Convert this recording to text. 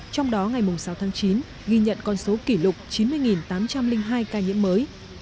trong đó ngày sáu tháng chín ghi nhận con số kỷ lục chín mươi tám trăm linh hai ca nhiễm mới